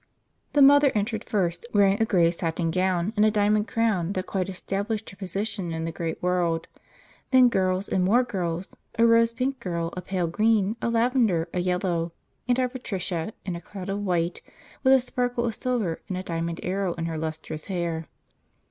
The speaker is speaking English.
The mother entered first, wearing a grey satin gown and a diamond crown that quite established her position in the great world. Then girls, and more girls: a rose pink girl, a pale green, a lavender, a yellow, and our Patricia, in a cloud of white with a sparkle of silver, and a diamond arrow in her lustrous hair.